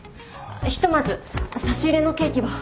ひとまず差し入れのケーキを。